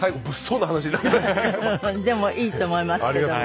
でもいいと思いますけども。